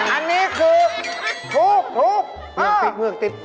อันนี้คือถูกทุกอ่าดีปริกติด